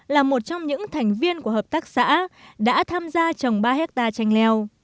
là một trong những thành viên của hợp tác xã đã tham gia trồng ba hectare tranh leo